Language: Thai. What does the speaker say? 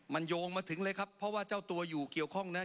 มันโยงมาถึงเลยครับเพราะว่าเจ้าตัวอยู่เกี่ยวข้องนะครับ